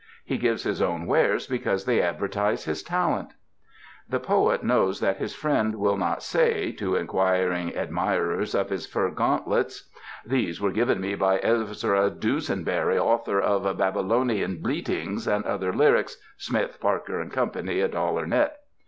He gives his own wares because they advertise his talent. The poet knows that his friend will not say, to inquiring admirers of his fur gauntlets, "These were ART OF CHRISTMAS GIVING given me by Ezra Dusenbury, author of Babylon ian Bleatings' and other Lyrics: Smith, Parker & Co., $1 net."